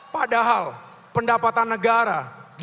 padahal pendapatan negara